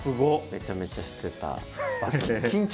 めちゃめちゃしてた場所です。